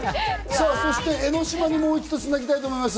そして江の島にもう一度つなぎたいと思います。